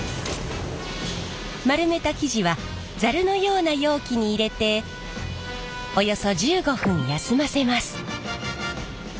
丸めた生地はザルのような容器に入れておよそ１５分休ませます。